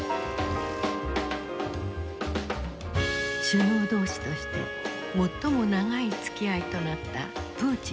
首脳同士として最も長いつきあいとなったプーチン大統領。